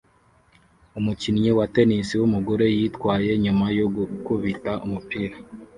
Umukinnyi wa tennis wumugore yitwaye nyuma yo gukubita umupira